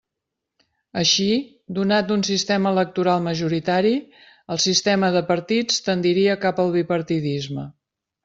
Així, donat un sistema electoral majoritari, el sistema de partits tendiria cap al bipartidisme.